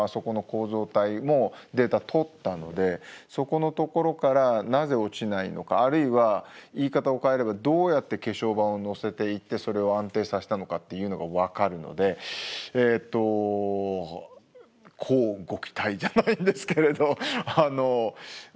もうデータとったのでそこのところからなぜ落ちないのかあるいは言い方を変えればどうやって化粧板をのせていってそれを安定させたのかっていうのが分かるのでえっと乞うご期待じゃないんですけれどあのそうですね